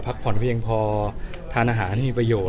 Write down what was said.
ผ่อนเพียงพอทานอาหารให้มีประโยชน